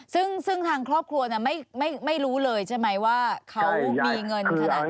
ซึ่งทางครอบครัวไม่รู้เลยใช่ไหมว่าเขามีเงินขนาดไหน